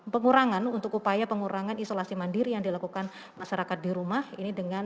pengurangan untuk upaya pengurangan isolasi mandiri yang dilakukan masyarakat di rumah ini dengan